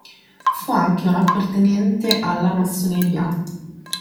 Fu anche un appartenente alla massoneria.